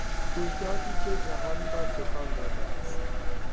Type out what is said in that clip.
رویدادی که جهان را تکان داده است